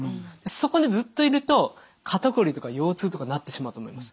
そこでずっといると肩こりとか腰痛とかなってしまうと思います。